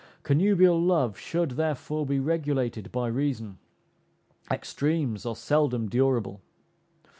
Connubial love should, therefore, be regulated by reason. Extremes are seldom durable.